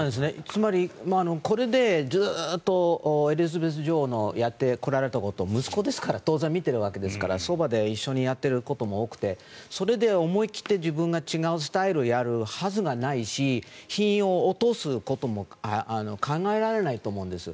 つまり、これでずっとエリザベス女王のやってこられたことを息子ですから当然見ているわけですからそばで一緒にやっていることも多くてそれで思い切って自分が違うスタイルをやるはずがないし品を落とすことも考えられないと思うんです。